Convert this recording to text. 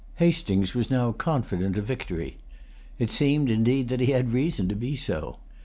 Hastings was now confident of victory. It seemed, indeed, that he had reason to be so.